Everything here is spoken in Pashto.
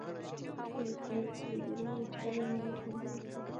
د اوسپنې پټلۍ جوړولو چارې انګرېزانو ته وسپارلې.